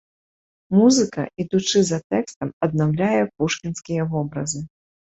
Музыка, ідучы за тэкстам, аднаўляе пушкінскія вобразы.